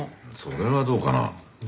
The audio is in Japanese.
それはどうかな？